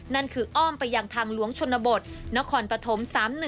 นั่นคืออ้อมไปยังทางหลวงชนบทนครปฐม๓๑